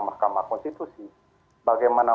mahkamah konstitusi bagaimana